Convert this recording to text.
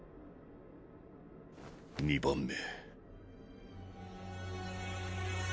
２番目